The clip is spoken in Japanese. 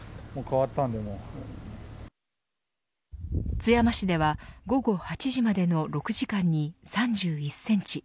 津山市では午後８時までの６時間に３１センチ。